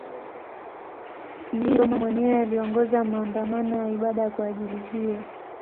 Mjini Roma mwenyewe aliongoza maandamano ya ibada kwa ajili hiyo.